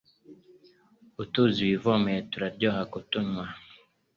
Utuzi wivomeye turaryoha kutunywa